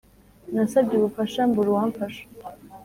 Nasabye ubufasha mbura uwamfasha